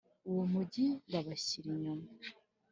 Uwo mugi babashyira inyuma